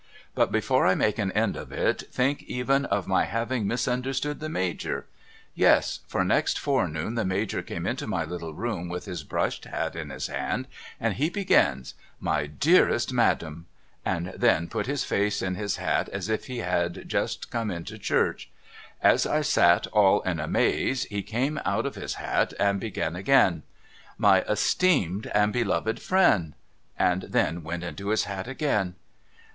But before I make an end of it, think even of my having misunder stood the Major ! Yes ! For next forenoon the Major came into my little room with his brushed hat in his hand and he begins ' My dearest madam ' and then put his face in his hat as if he had just come into church. As I sat all in a maze he came out of his hat and began again. ' My esteemed and beloved friend ' and then went into his hat again.